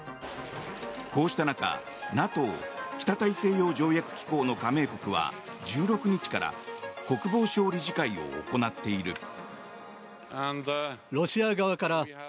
こうした中、ＮＡＴＯ・北大西洋条約機構の加盟国は１６日から国防相理事会を行っている。